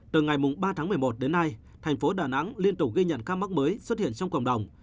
từ ngày ba tháng một mươi một đến nay thành phố đà nẵng liên tục ghi nhận ca mắc mới xuất hiện trong cộng đồng